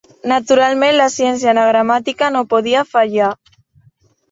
Naturalment, la ciència anagramàtica no podia fallar.